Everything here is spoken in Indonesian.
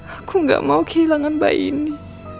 aku gak mau kehilangan bayi ini